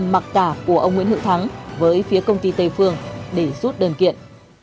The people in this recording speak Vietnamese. ghi âm mặc cả của ông nguyễn hữu thắng với phía công ty tây phương để xuất đơn kiện